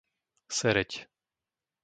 Sereď